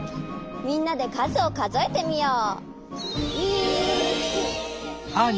みんなでかずをかぞえてみよう。